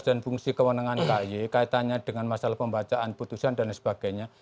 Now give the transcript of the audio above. fungsi kewenangan ky kaitannya dengan masalah pembacaan putusan dan sebagainya